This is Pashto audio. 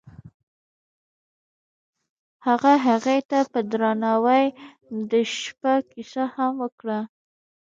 هغه هغې ته په درناوي د شپه کیسه هم وکړه.